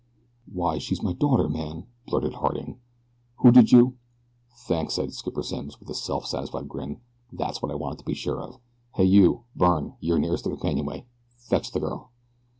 "Why she's my daughter, man!" blurted Harding. "Who did you " "Thanks," said Skipper Simms, with a self satisfied grin. "That's what I wanted to be sure of. Hey, you, Byrne! You're nearest the companionway fetch the girl."